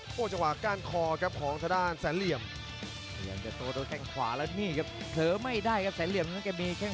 ผัดกันปั๊บเดียวแค่นั้น